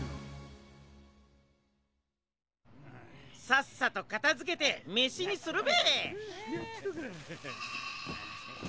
さっさとかたづけてめしにするべえ。